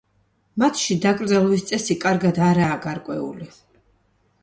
მათში დაკრძალვის წესი კარგად არაა გარკვეული.